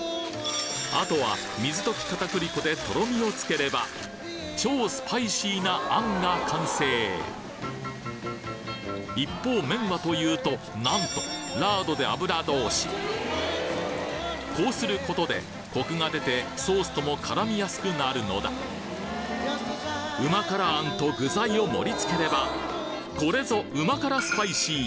あとは水溶き片栗粉でとろみをつければ超スパイシーな餡が完成一方麺はというとなんとラードで油通しこうすることでコクが出てソースとも絡みやすくなるのだうま辛餡と具材を盛り付ければこれぞうま辛スパイシー